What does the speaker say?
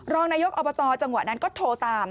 รองนายกอบตจังหวะนั้นก็โทรตาม